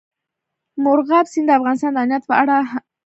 مورغاب سیند د افغانستان د امنیت په اړه هم اغېز لري.